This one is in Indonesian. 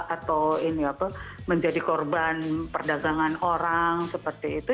atau ini apa menjadi korban perdagangan orang seperti itu